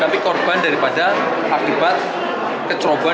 tapi korban daripada akibat kecerobohan